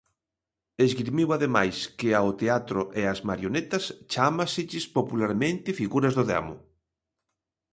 Esgrimiu ademais que ao teatro e ás marionetas chámaselles popularmente figuras do demo.